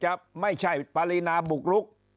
จะไม่ใช่ปรินาบุกลุก